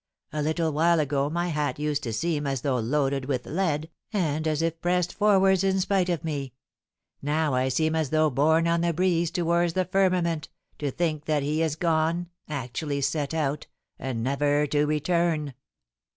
A little while ago my hat used to seem as though loaded with lead, and as if it pressed forwards in spite of me; now I seem as though borne on the breeze towards the firmament, to think that he is gone actually set out and never to return!"